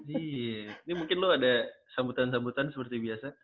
iya ini mungkin lu ada sambutan sambutan seperti biasa